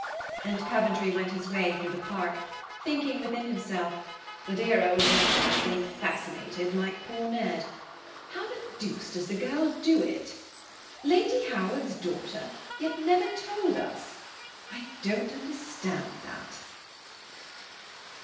And Coventry went his way through the park, thinking within himself, The dear old gentleman is getting fascinated, like poor Ned. How the deuce does the girl do it? Lady Howard's daughter, yet never told us; I don't understand that.